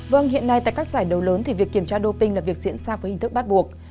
vâng hiện nay tại các giải đấu lớn thì việc kiểm tra doping là việc diễn ra với hình thức bắt buộc